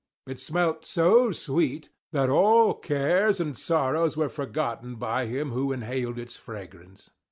It smelt so sweet that all cares and sorrows were forgotten by him who inhaled its fragrance.